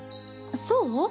そう？